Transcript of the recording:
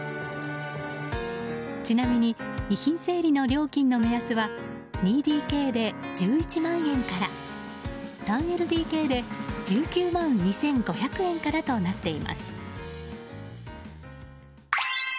ちなみに遺品整理の料金の目安は２ＤＫで１１万円から３ＬＤＫで１９万２５００円からとなっています。